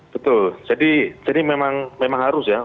betul jadi memang harus ya